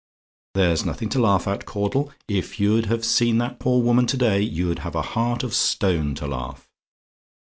There's nothing to laugh at, Caudle; if you'd have seen that poor woman to day, you'd have a heart of stone to laugh.